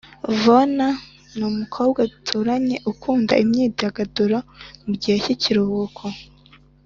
Yvonna numukobwa duturanye ukunda imyidagaduro mugihe ki kiruhuko